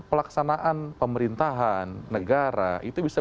pelaksanaan pemerintahan negara itu bisa